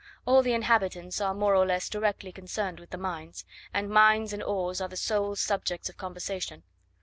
All the inhabitants are more or less directly concerned with mines; and mines and ores are the sole subjects of conversation.